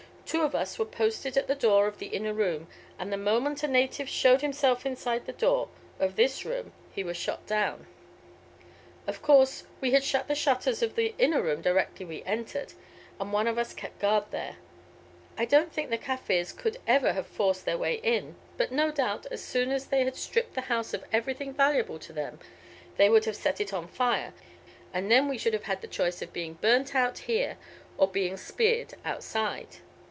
Two of us were posted at the door of the inner room, and the moment a native showed himself inside the door of this room he was shot down. Of course we had shut the shutters of the inner room directly we entered, and one of us kept guard there. I don't think the Kaffirs would ever have forced their way in; but no doubt, as soon as they had stripped the house of everything valuable to them, they would have set it on fire, and then we should have had the choice of being burnt out here or being speared outside.